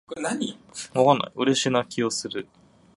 嬉し泣きをする